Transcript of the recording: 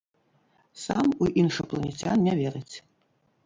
Сам у іншапланецян не верыць.